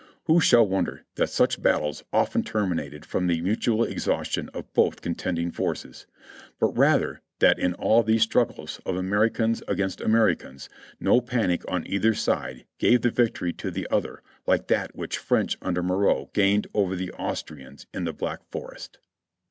"Who shall wonder that such battles often terminated from the mutual exhaustion of both contending forces? But rather that in all these struggles of Americans against Americans, no panic on either side gave the victory to the other like that which the French under Moreau gained over the Austrians in the Black Forest."